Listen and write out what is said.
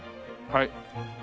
はい。